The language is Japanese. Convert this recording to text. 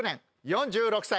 ４６歳。